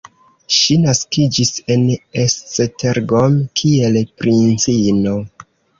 Ŝi naskiĝis en Esztergom, kiel princino.